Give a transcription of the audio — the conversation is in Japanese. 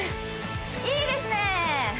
いいですね